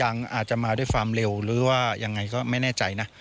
อาจจะมาด้วยฟาร์มเร็วหรืออย่างไรก็ไม่แน่ใจนะ